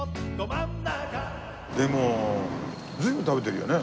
でも随分食べてるよね？